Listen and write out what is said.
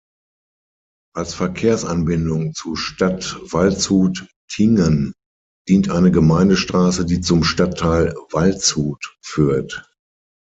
Als Verkehrsanbindung zu Stadt "Waldshut-Tiengen" dient eine Gemeindestraße die zum Stadtteil "Waldshut" führt.